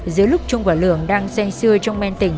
giữa lúc trung và lượng đang xen xưa trong men tình